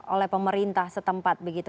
oleh pemerintah setempat